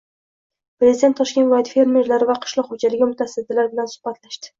Prezident Toshkent viloyati fermerlari va qishloq xoʻjaligi mutasaddilari bilan suhbatlashdi.